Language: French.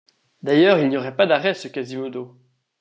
D’ailleurs, il n’y aurait pas d’arrêt, ce Quasimodo!